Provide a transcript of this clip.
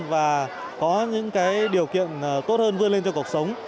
và có những điều kiện tốt hơn vươn lên cho cuộc sống